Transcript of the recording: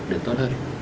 để tốt hơn